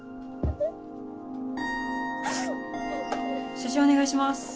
写真お願いします。